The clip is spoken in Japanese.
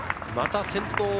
また先頭。